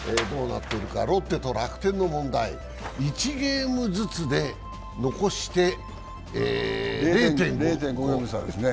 ロッテと楽天の問題、１ゲームずつで残して、０．５ゲーム差。